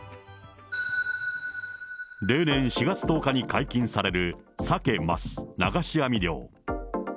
例年４月１０日に解禁されるサケ・マス流し網漁。